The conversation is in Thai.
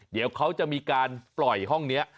เดี๋ยวเขาจะมีการปล่อยห้องนี้